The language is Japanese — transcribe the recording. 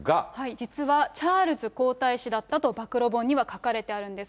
実は、チャールズ皇太子だったと暴露本には書かれてあるんです。